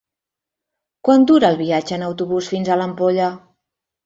Quant dura el viatge en autobús fins a l'Ampolla?